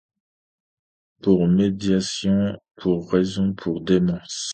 Pour méditation, pour raison, pour démence